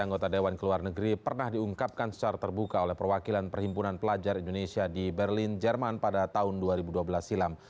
anggota dewan ke luar negeri pernah diungkapkan secara terbuka oleh perwakilan perhimpunan pelajar indonesia di berlin jerman pada tahun dua ribu dua belas silam